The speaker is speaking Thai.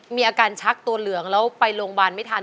มีอาการชักตัวเหลืองแล้วไปโรงพยาบาลไม่ทัน